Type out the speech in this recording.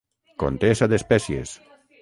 Conté set espècies.